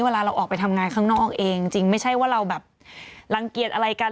เวลาเราออกไปทำงานข้างนอกเองจริงไม่ใช่ว่าเราแบบรังเกียจอะไรกัน